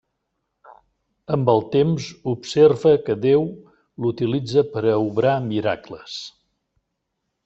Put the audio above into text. Amb el temps observa que Déu l'utilitza per a obrar miracles.